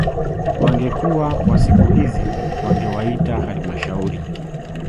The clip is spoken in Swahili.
Wangekuwa kwa siku hizi wangewaita halmashauri